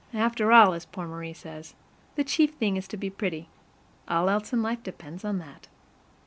After all, as poor Marie says, the chief thing is to be pretty. All else in life depends on that.